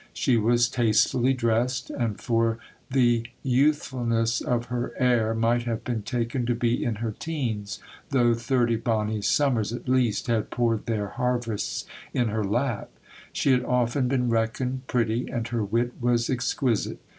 She was tastefully dressed, and for the youthfulness of her air might have been taken to be in her teens, though thirty b>nny summers at least had poured their harvests in her lap. She had often been reckoned pretty, and her wit was exquisite.